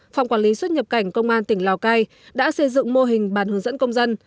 phòng quản lý xuất nhập cảnh công an tỉnh lào cai đã xây dựng mô hình bàn hướng dẫn công dân